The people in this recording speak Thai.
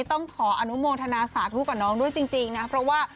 ต้องขออนุโมงธรรมาสาธุกับน้องด้วยจริงนะ